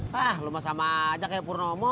hah lo mah sama aja kayak purnomo